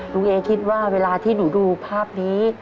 เอคิดว่าเวลาที่หนูดูภาพนี้